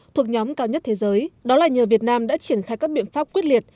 thuộc nhóm cao nhất thế giới đó là nhờ việt nam đã triển khai các biện pháp quyết liệt